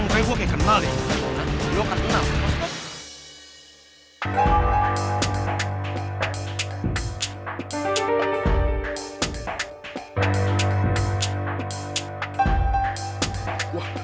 ketuk kejar duh